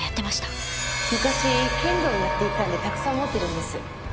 昔剣道をやっていたんでたくさん持ってるんです。